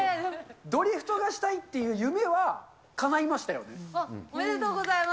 ドリフトがしたいっていう夢はかおめでとうございます。